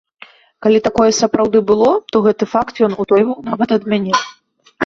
Калі такое сапраўды было, то гэты факт ён утойваў нават ад мяне.